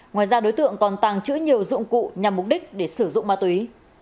ngoài ra đối tượng còn tàng trữ nhiều dụng cụ nhằm mục đích để sử dụng ma túy